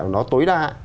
nó tối đa